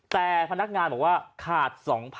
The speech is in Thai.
แต่พนักงานบอกว่าขาด๒๐๐๐